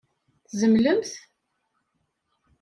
Tzemlemt?